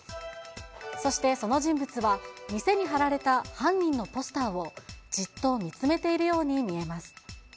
そしてその人物は、店に貼られた犯人のポスターを、じっと見つめているように見えます。